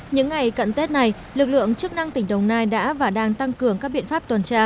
những ngày cận tết này lực lượng chức năng tỉnh đồng nai đã và đang tăng cường các biện pháp tuần tra